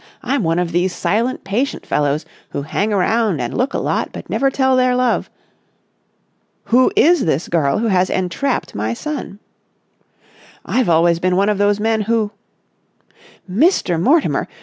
I'm one of those silent, patient fellows who hang around and look a lot but never tell their love...." "Who is this girl who has entrapped my son?" "I've always been one of those men who...." "Mr. Mortimer!